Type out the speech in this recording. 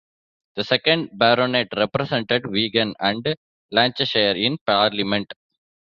The second Baronet represented Wigan and Lancashire in Parliament.